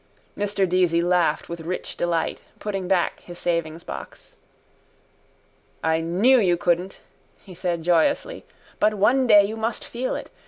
Mr Deasy laughed with rich delight, putting back his savingsbox. —I knew you couldn't, he said joyously. But one day you must feel it.